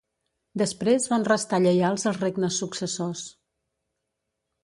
Després van restar lleials als regnes successors.